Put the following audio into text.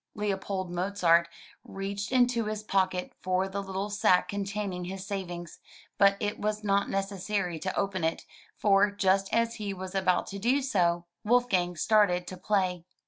Leopold Mozart reached into his pocket for the little sack containing his savings, but it was not necessary to open it, for just as he was about to do so, Wolfgang started to play.